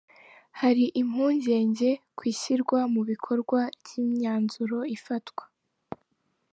Hari impungenge ku ishyirwa mu bikorwa ry’imyanzuro ifatwa.